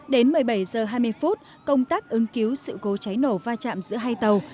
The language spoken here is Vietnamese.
đến một mươi bảy h hai mươi công tác ứng cứu sự cố cháy nổ va chạm giữa hai tàu